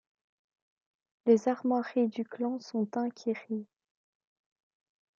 Les armoiries du clan sont un kiri.